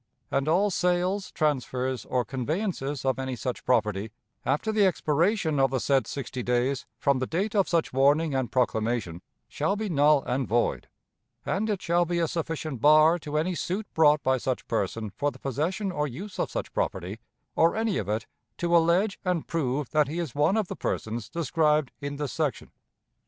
And all sales, transfers, or conveyances of any such property, after the expiration of the said sixty days from the date of such warning and proclamation, shall be null and void; and it shall be a sufficient bar to any suit brought by such person for the possession or use of such property, or any of it, to allege and prove that he is one of the persons described in this section.